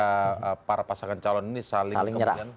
ketika para pasangan calon ini saling menyerang